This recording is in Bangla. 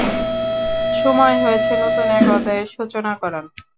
সময় হয়েছে নতুন এক অধ্যায়ের সূচনা করার।